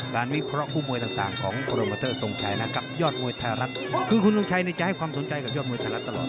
คือคุณโกรมชายเนี่ยจะให้ความสนใจกับยอดมวยไทยรัฐตลอด